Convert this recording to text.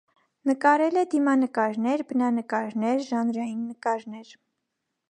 Նկարել է դիմանկարներ, բնանկարներ, ժանրային նկարներ։